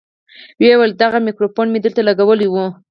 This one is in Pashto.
ويې ويل دغه ميکروفون مې دلته لګولى و.